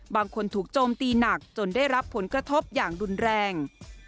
บางคนถูกโจมตีหนักจนได้รับผลกระทบอย่างรุนแรง